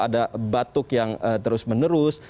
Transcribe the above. ada batuk yang terus menerus